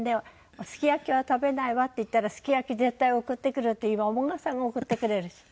「すき焼きは食べないわ」って言ったらすき焼き絶対送ってくるって今お孫さんが送ってくれるし。